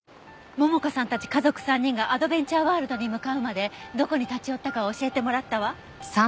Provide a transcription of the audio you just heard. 桃香さんたち家族３人がアドベンチャーワールドに向かうまでどこに立ち寄ったかを教えてもらったわ。